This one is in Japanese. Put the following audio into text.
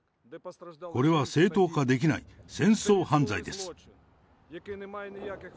これは正当化できない、戦争犯罪です。